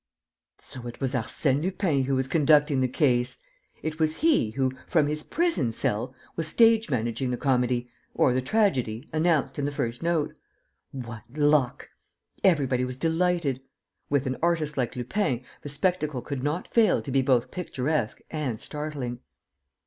So it was Arsène Lupin who was conducting the case! It was he who, from his prison cell, was stage managing the comedy or the tragedy announced in the first note. What luck! Everybody was delighted. With an artist like Lupin, the spectacle could not fail to be both picturesque and startling.